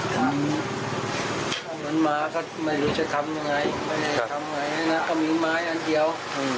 ช่วงนั้นมาก็ไม่รู้จะทำยังไงไม่ได้ทำไงนะก็มีไม้อันเดียว